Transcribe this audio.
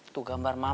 tuh gambar mama